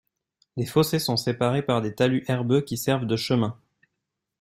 Les fossés sont séparés par des talus herbeux qui servent de chemin.